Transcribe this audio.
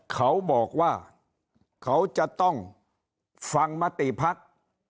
เขาบอกว่าเขาจะต้องฟังมติภักดิ์